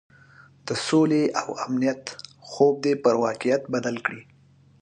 د سولې او امنیت خوب دې پر واقعیت بدل کړي.